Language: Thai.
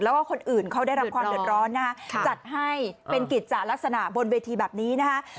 แล้วก็คนอื่นเขาได้รับความเดือดร้อนนะฮะจัดให้เป็นกิจจากลักษณะบนเวทีแบบนี้นะคะ